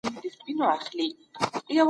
هڅه شرط ده او نتیجه د الله په لاس کې.